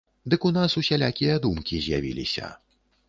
Дык у нас усялякія думкі з'явіліся.